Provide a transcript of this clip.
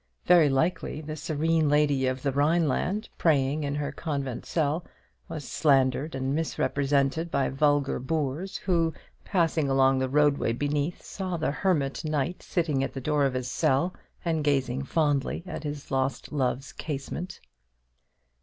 Very likely the serene lady of the Rhineland, praying in her convent cell, was slandered and misrepresented by vulgar boors, who, passing along the roadway beneath, saw the hermit knight sitting at the door of his cell and gazing fondly at his lost love's casement.